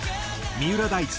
三浦大知